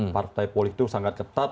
partai politik sangat ketat